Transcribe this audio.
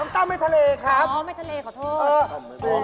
ของน้าเซตปลากระพง